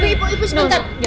ibu ibu sebentar